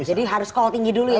jadi harus call tinggi dulu ya